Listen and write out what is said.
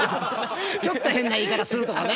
ちょっと変な言い方するとかね。